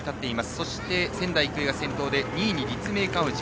そして、仙台育英が先頭で２位に立命館宇治。